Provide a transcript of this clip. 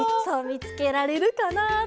みつけられるかなって。